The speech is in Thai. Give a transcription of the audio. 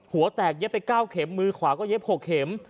หัวแตกเย็บไป๙เข็มมือขวาก็เย็บ๖เข็ม